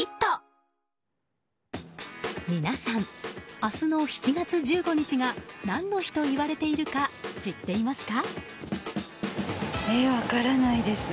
皆さん、明日の７月１５日が何の日といわれているか知っていますか？